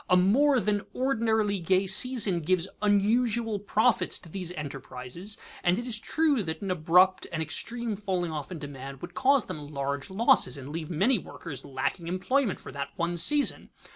A more than ordinarily gay season gives unusual profits to these enterprises, and it is true that an abrupt and extreme falling off in demand would cause them large losses, and leave many workers lacking employment for that one season.